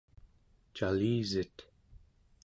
calisit?